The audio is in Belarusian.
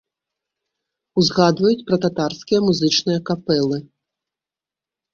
Узгадваюць пра татарскія музычныя капэлы.